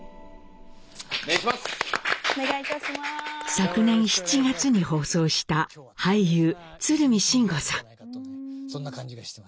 昨年７月に放送した俳優・鶴見辰吾さん。